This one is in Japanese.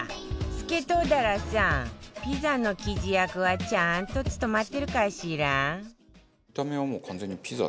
スケトウダラさんピザの生地役はちゃんと務まってるかしら？